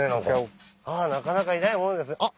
なかなかいないものあっ。